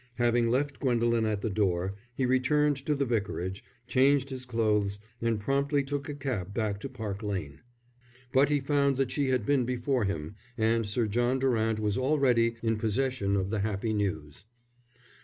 Having left Gwendolen at the door, he returned to the Vicarage, changed his clothes, and promptly took a cab back to Park Lane. But he found that she had been before him, and Sir John Durant was already in possession of the happy news.